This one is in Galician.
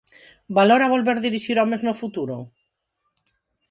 Valora volver dirixir homes no futuro?